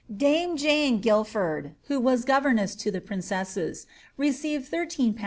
Dame Jane Guildford, who was governess to the princesses, received 13Z. 6s.